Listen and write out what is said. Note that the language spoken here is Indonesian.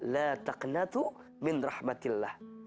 la taqnatu min rahmatillah